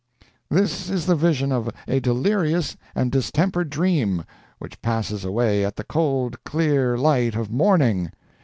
"This is the vision of a delirious and distempered dream, which passes away at the cold clear light of morning.